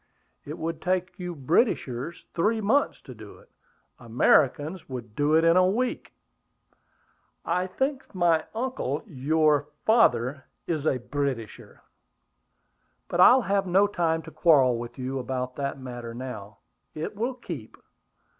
"It would take you Britishers three months to do it; Americans would do it in a week." "I think my uncle, your father, is a Britisher. But I have no time to quarrel with you about that matter now; it will keep.